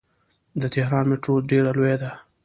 د تهران میټرو ډیره لویه ده.